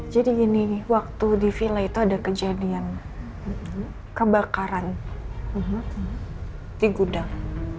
jadi gini waktu di villa itu ada kejadian kebakaran di gudang